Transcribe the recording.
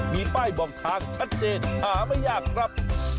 มีป้ายบอกทางชัดเจนหาไม่ยากครับ